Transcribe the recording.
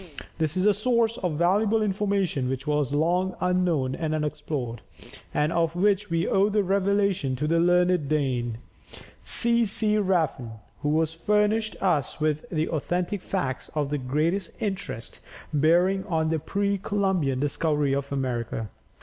This is a source of valuable information which was long unknown and unexplored, and of which we owe the revelation to the learned Dane, C. C. Rafn, who has furnished us with authentic facts of the greatest interest bearing on the pre Columbian discovery of America.